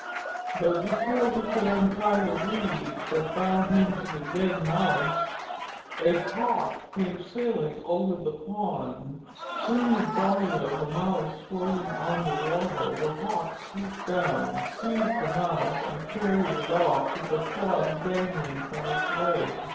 But before he could untie the reed that bound him to the dead Mouse, a Hawk came sailing over the pond. Seeing the body of the Mouse floating on the water, the Hawk swooped down, seized the Mouse and carried it off, with the Frog dangling from its leg.